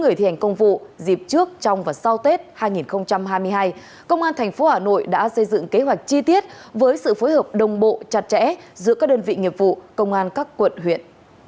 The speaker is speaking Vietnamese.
người thi hành công vụ dịp trước trong và sau tết hai nghìn hai mươi hai công an tp hà nội đã xây dựng kế hoạch chi tiết với sự phối hợp đồng bộ chặt chẽ giữa các đơn vị nghiệp vụ công an các quận huyện